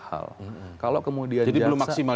hal kalau kemudian jadi belum maksimal